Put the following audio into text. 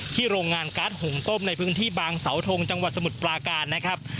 โรงงานการ์ดหุงต้มในพื้นที่บางเสาทงจังหวัดสมุทรปลาการนะครับ